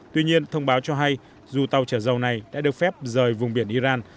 tuy nhiên thông báo cho hay dù tàu trở dầu này đã được phép rời vùng biển iran